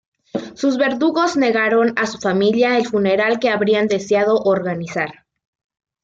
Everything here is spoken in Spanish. Sus verdugos negaron a su familia el funeral que habrían deseado organizar.